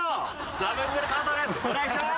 ザブングル加藤です。